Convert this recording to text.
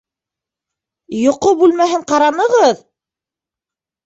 Йоҡо бүлмәһен ҡаранығыҙ!